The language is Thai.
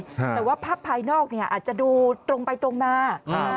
แต่ว่าภาพภายนอกอาจจะดูตรงไปตรงมา